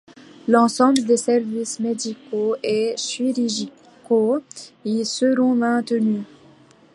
L’ensemble des services médicaux et chirurgicaux y seront maintenus.